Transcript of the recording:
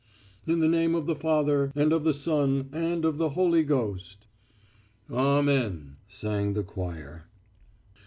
In the name of the Father, and of the Son, and of the Holy Ghost." "Amen," sang the choir.